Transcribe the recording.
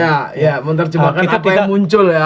ya menerjemahkan apa yang muncul ya